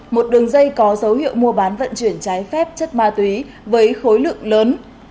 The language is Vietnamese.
một đường dây có dấu hiệu mua bán vận chuyển trái phép chất ma túy với khối lượng lớn